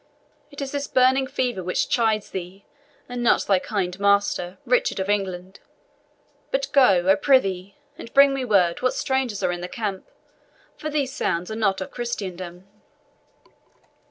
It is this burning fever which chides thee, and not thy kind master, Richard of England. But go, I prithee, and bring me word what strangers are in the camp, for these sounds are not of Christendom."